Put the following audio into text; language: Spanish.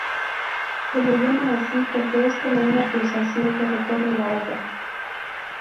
Se le llama así porque es como una pulsación que recorre la obra.